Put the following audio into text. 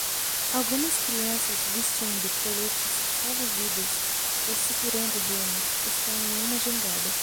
Algumas crianças vestindo coletes salva-vidas e segurando remos estão em uma jangada